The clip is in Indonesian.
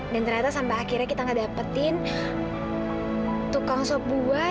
dan ternyata sampai akhirnya kita gak dapetin tukang sop buah